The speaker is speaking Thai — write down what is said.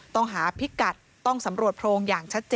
ต้องหาพิกัดต้องสำรวจโพรงอย่างชัดเจน